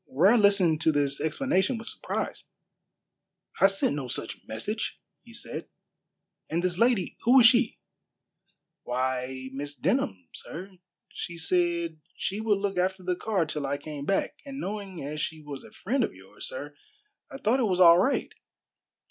Ware listened to this explanation with surprise. "I sent no such message," he said; "and this lady, who was she?" "Why, Miss Denham, sir. She said she would look after the car till I came back, and knowing as she was a friend of yours, sir, I thought it was all right."